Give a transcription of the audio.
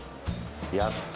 やった。